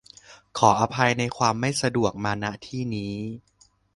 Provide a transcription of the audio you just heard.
ขออภัยในความไม่สะดวกมา ณ ที่นี้